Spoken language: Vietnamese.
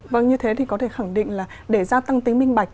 vâng như thế thì có thể khẳng định là để gia tăng tính minh bạch